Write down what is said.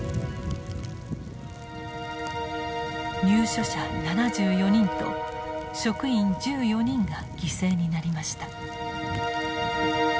入所者７４人と職員１４人が犠牲になりました。